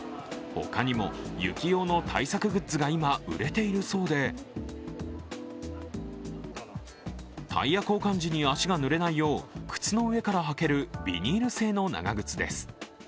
他にも雪用の対策グッズが今売れているそうでタイヤ交換時に足がぬれないよう靴の上から履けるビニール製の長靴です。